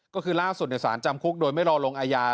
ก็คือล่าสุดสารจำคุกโดยไม่รอลงอาญา